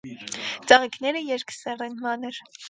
Ծաղիկները երկսեռ են, մանր։